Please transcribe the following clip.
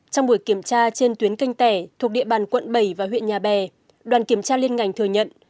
trong buổi kiểm tra trên tuyến canh tẻ thuộc địa bàn quận bảy và huyện nhà bè đoàn kiểm tra liên ngành thừa nhận